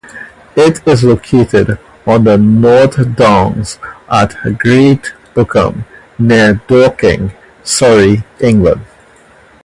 It is located on the North Downs at Great Bookham, near Dorking, Surrey, England.